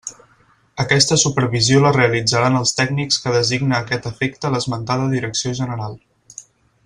Aquesta supervisió la realitzaran els tècnics que designe a aquest efecte l'esmentada direcció general.